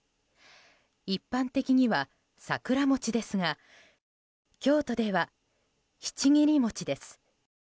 一般的には桜餅ですが京都ではひちぎり餅です。